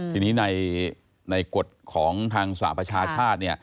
ทีนี้ในกฎของทางสหประชาชาติ